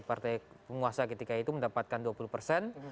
partai penguasa ketika itu mendapatkan